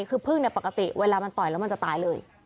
คือพึ่งเนี่ยปกติเวลามันต่อยแล้วมันจะตายเลย